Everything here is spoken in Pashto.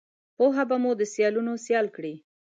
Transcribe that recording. پوهه به مو دسیالانوسیال کړي